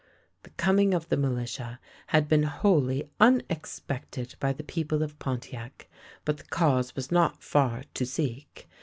The coming of the militia had been wholly unex pected by the people of Pontiac, but the cause was not far to seek.